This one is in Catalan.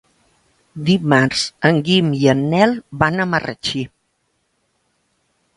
Dimarts en Guim i en Nel van a Marratxí.